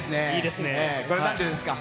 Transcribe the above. これ、なんでですか。